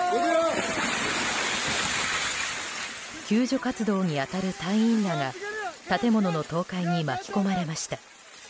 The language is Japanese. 救助活動に当たる隊員らが建物の倒壊に巻き込まれました。